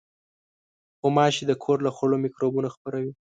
غوماشې د کور له خوړو مکروبونه خپروي.